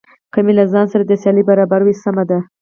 که مې له ځان سره د سیالۍ برابر وي سمه ده.